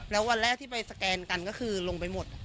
แล้ววันแรกที่ไปสแกนกันก็คือลงไปหมด